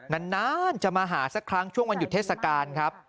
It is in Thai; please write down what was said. นานจะมาหาสักครั้งช่วงวันหยุดเทศกาลครับ